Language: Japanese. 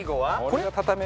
これ？